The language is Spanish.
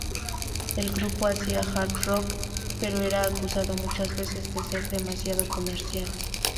El grupo hacía hard-rock, pero era acusado muchas veces de ser "demasiado comercial".